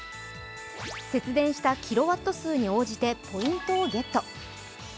節電したキロワット数に応じてポイントをゲット。